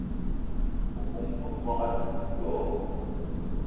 O bóng-be m'bogué a doula do?